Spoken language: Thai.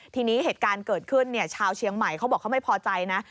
ทีนี้เหตุการณ์เกิดขึ้นชาวเชียงใหม่เขาบอกเขาไม่พอใจนะ